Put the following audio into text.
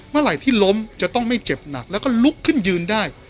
เมื่อไหร่ที่ล้มจะต้องไม่เจ็บหนักแล้วก็ลุกขึ้นยืนได้